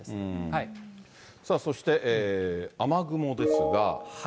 さあ、そして雨雲ですが。